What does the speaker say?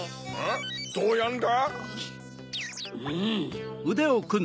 どうやんだ？んん！